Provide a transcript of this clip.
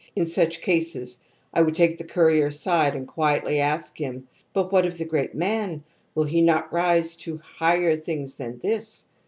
In such cases I would take the courier aside and quietly ask him :' But what of the great man? Will he not rise to higher things than this?